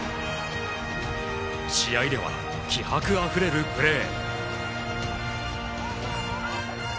試合では、気迫あふれるプレー。